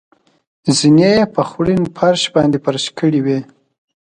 زېنې یې په خوړین فرش باندې فرش کړې وې.